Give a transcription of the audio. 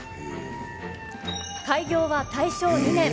開業は大正２年。